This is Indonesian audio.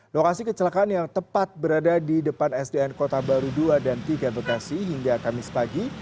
lokasi kecelakaan yang tepat berada di depan sdn kota baru dua dan tiga bekasi hingga kamis pagi